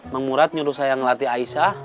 mang murad nyuruh saya ngelatih aisyah